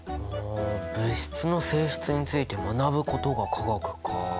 物質の性質について学ぶことが化学か。